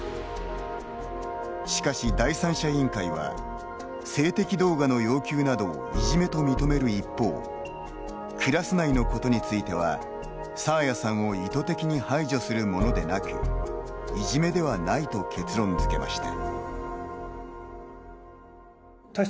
しかし、第三者委員会は性的動画の要求などをいじめと認める一方クラス内のことについては爽彩さんを意図的に排除するものでなくいじめではないと結論づけました。